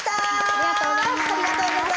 ありがとうございます。